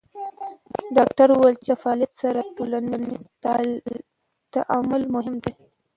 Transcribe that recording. ډاکټره وویل چې د فعالیت سره ټولنیز تعامل مهم دی.